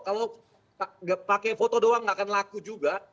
kalau nggak pakai foto doang gak akan laku juga